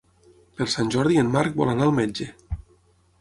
Per Sant Jordi en Marc vol anar al metge.